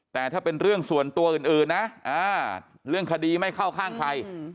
แต่ถ้าเป็นเรื่องส่วนตัวอื่นนะเรื่องคดีไม่เข้าข้างใคร